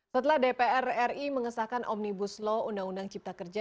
setelah dpr ri mengesahkan omnibus law undang undang cipta kerja